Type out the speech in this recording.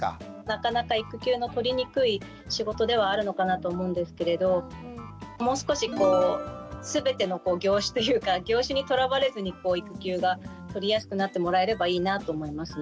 なかなか育休の取りにくい仕事ではあるのかなと思うんですけれどもう少しこう全ての業種というか業種にとらわれずに育休が取りやすくなってもらえればいいなと思いますね。